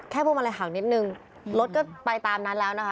แค่โบมะลายห่างนิดนึงรถก็ไปตามนานแล้วนะคะ